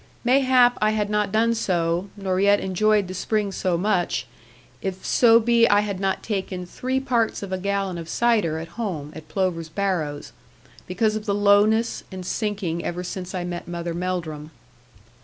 Mayhap I had not done so, nor yet enjoyed the spring so much, if so be I had not taken three parts of a gallon of cider at home, at Plover's Barrows, because of the lowness and sinking ever since I met Mother Melldrum.